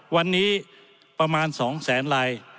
วันนี้ประมาณ๒๐๐๐๐๐ลาย